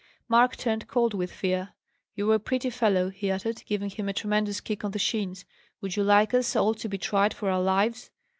Mark turned cold with fear. "You're a pretty fellow!" he uttered, giving him a tremendous kick on the shins. "Would you like us all to be tried for our lives?"